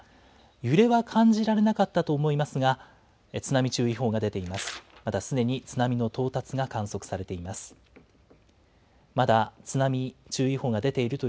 揺れは感じられなかったと思いますが、津波注意報が出ています。